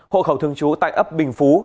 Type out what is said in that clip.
hộ khẩu thường trú tại ấp bình phú